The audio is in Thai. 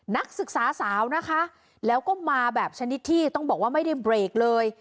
นักศึกษาสาวนะคะแล้วก็มาแบบชนิดที่ต้องบอกว่าไม่ได้เบรกเลย